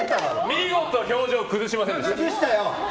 見事表情を崩しませんでした。